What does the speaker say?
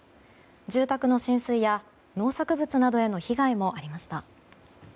住宅の浸水や農作物などへの被害もありました。